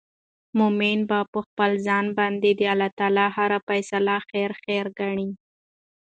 مؤمن به په خپل ځان باندي د الله تعالی هره فيصله خير خير ګڼې